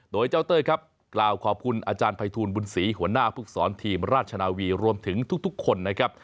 โดยเจ้าเต้ยครับกล่าวขอบคุณอาจารย์ภัยทูลบุญศรีหัวหน้าภูกษรทีมราชนาวีรวมถึงทุกคนนะครับ